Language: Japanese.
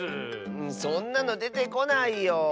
そんなのでてこないよ。